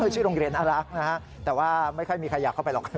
ชื่อโรงเรียนน่ารักนะฮะแต่ว่าไม่ค่อยมีใครอยากเข้าไปหรอก